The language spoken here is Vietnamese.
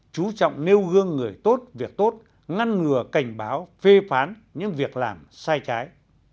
chú trọng nêu gương người tốt việc tốt ngăn ngừa cảnh báo phê phán những việc làm sai trái